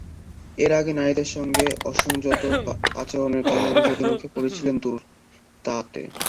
এর আগেও নারীদের সঙ্গে অসংগত আচরণের কারণে অভিযোগের মুখে পড়েছিলেন দুতার্তে।